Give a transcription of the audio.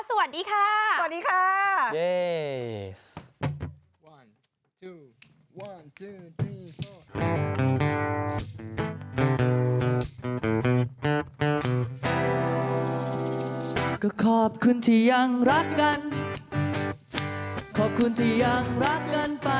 สวัสดีค่ะ